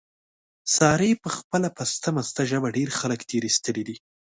سارې په خپله پسته مسته ژبه، ډېر خلک تېر ایستلي دي.